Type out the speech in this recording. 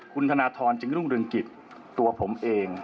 คุณธนทรจึงรุ่งเรืองกิจตัวผมเอง